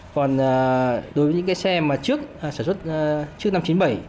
còn đối với những xe mà sản xuất trước năm một nghìn chín trăm chín mươi bảy